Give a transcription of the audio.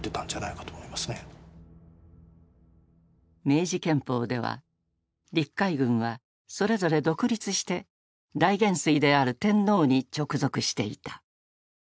明治憲法では陸海軍はそれぞれ独立して大元帥である天皇に直属していた。